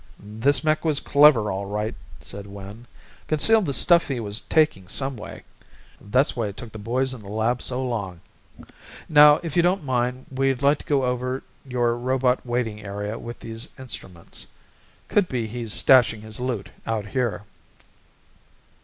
"This mech was clever all right," said Wynn. "Concealed the stuff he was taking some way; that's why it took the boys in the lab so long. Now if you don't mind we'd like to go over your robot waiting area with these instruments. Could be he's stashing his loot out here."